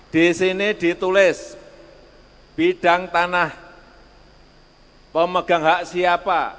di sini ditulis bidang tanah pemegang hak siapa